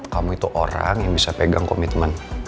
kamu itu orang yang bisa pegang komitmen